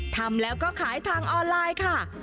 ทำแล้วก็ขายทางออนไลน์ค่ะ